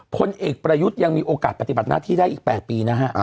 พลเอกประยุทธ์ยังมีโอกาสปฏิบัติหน้าที่ได้อีก๘ปีนะฮะ